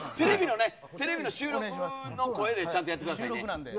テレビの収録の声でちゃんとやってくださいね。